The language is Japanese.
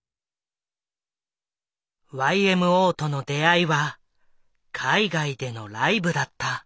ＹＭＯとの出会いは海外でのライブだった。